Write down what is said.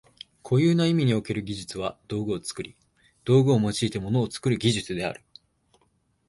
固有な意味における技術は道具を作り、道具を用いて物を作る技術である。